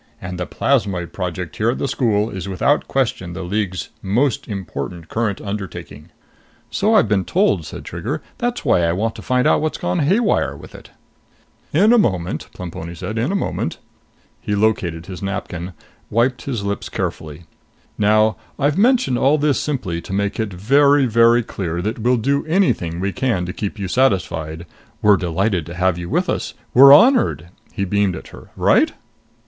And the Plasmoid Project here at the school is without question the League's most important current undertaking." "So I've been told," said Trigger. "That's why I want to find out what's gone haywire with it." "In a moment," Plemponi said. "In a moment." He located his napkin, wiped his lips carefully. "Now I've mentioned all this simply to make it very, very clear that we'll do anything we can to keep you satisfied. We're delighted to have you with us. We are honored!" He beamed at her. "Right?"